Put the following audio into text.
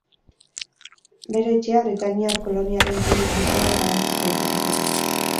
Bere etxea britainiar koloniaren gune kultural garrantzitsua izan zen.